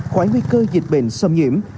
khỏi nguy cơ dịch bệnh xâm nhiễm